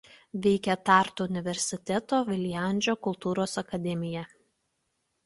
Veikia Tartu universiteto Viljandžio kultūros akademija.